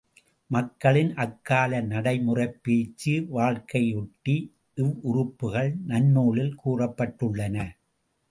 மக்களின் அக்கால நடைமுறைப் பேச்சு வழக்கையொட்டி இவ்வுறுப்புகள் நன்னூலில் கூறப்பட்டுள்ளன.